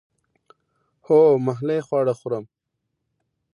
هو، محلی خواړه خورم